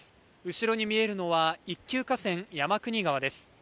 後ろに見えるのは一級河川、山国川です。